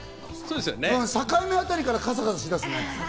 境目あたりからカサカサし出すね。